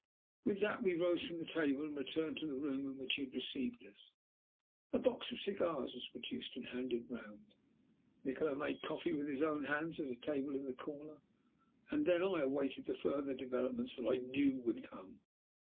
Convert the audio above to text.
With that we rose from the table and returned to the room in which he had received us. A box of cigars was produced and handed round; Nikola made coffee with his own hands at a table in the corner, and then I awaited the further developments that I knew would come.